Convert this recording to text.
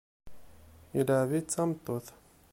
Ilɛeb-itt d tameṭṭut.